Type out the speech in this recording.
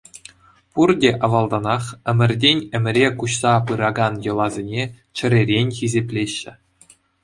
Пурте авалтанах ӗмӗртен ӗмӗре куҫса пыракан йӑласене чӗререн хисеплеҫҫӗ.